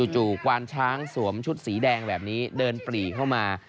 จู่ควานช้างสวมชุดสีแดงแบบนี้เดินปรีเข้ามา